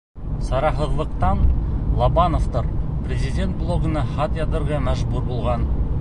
Сараһыҙлыҡтан Лабановтар Президент блогына хат яҙырға мәжбүр булған.